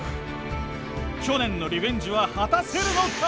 去年のリベンジは果たせるのか？